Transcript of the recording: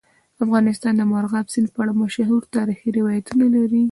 افغانستان د مورغاب سیند په اړه مشهور تاریخي روایتونه لري.